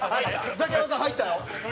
ザキヤマさん、入ったよ。